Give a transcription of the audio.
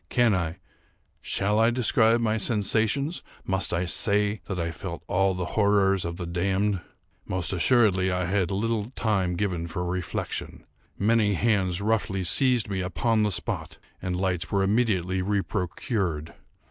Can I—shall I describe my sensations? Must I say that I felt all the horrors of the damned? Most assuredly I had little time given for reflection. Many hands roughly seized me upon the spot, and lights were immediately reprocured.